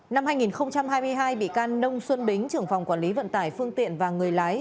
năm hai nghìn hai mươi hai bị can nông xuân bính trưởng phòng quản lý vận tải phương tiện và người lái